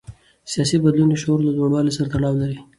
سیاسي بدلون د شعور له لوړوالي سره تړاو لري